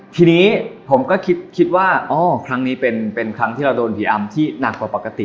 ทีนี้ผมก็คิดว่าอ๋อครั้งนี้เป็นครั้งที่เราโดนผีอำที่หนักกว่าปกติ